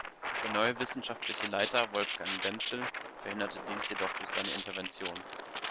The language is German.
Der neue wissenschaftliche Leiter, Wolfgang Wenzel, verhinderte dies jedoch durch seine Intervention.